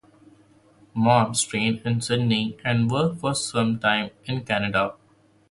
Mobbs trained in Sydney and worked for some time in Canada.